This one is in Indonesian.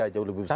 jauh lebih besar